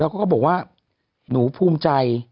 แล้วก็บอกว่าหนูภูมิใจ